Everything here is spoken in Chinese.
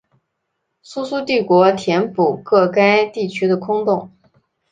苏苏帝国填补个该地区的空洞。